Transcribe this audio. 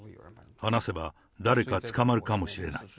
話せば誰か捕まるかもしれない。